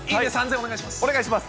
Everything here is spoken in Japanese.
お願いします。